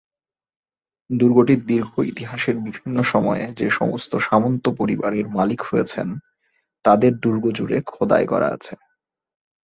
দুর্গটির দীর্ঘ ইতিহাসের বিভিন্ন সময়ে যে সমস্ত সামন্ত পরিবার এর মালিক হয়েছেন, তাদের দুর্গ জুড়ে খোদাই করা আছে।